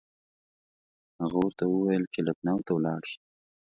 هغه ورته وویل چې لکنهو ته ولاړ شي.